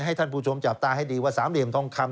ให้ท่านผู้ชมจับตาให้ดีว่าสามเหลี่ยมทองคำ